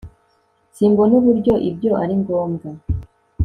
simbona uburyo ibyo ari ngombwa